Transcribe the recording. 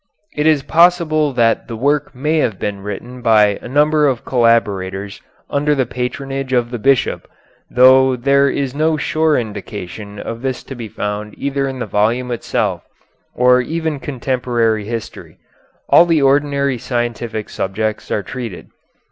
It is possible that the work may have been written by a number of collaborators under the patronage of the bishop, though there is no sure indication of this to be found either in the volume itself or even contemporary history. All the ordinary scientific subjects are treated.